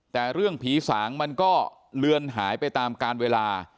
แต่เรื่องผีสางมันก็เลือนหายไปตามการเวลา